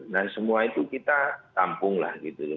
nah semua itu kita tampunglah gitu